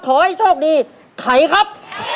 ขอให้โชคดีไขครับ